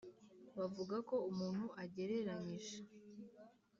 bavuga ko umuntu agereranyije,